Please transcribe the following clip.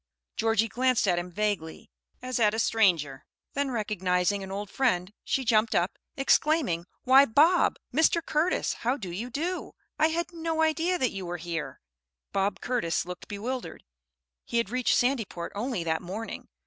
Georgie glanced at him vaguely, as at a stranger; then recognizing an old friend, she jumped up, exclaiming, "Why Bob Mr. Curtis, how do you do? I had no idea that you were here." Bob Curtis looked bewildered. He had reached Sandyport only that morning.